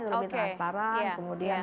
lebih transparan kemudian